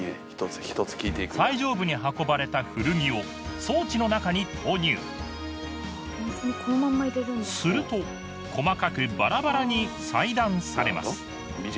最上部に運ばれた古着を装置の中に投入すると細かくバラバラに裁断されます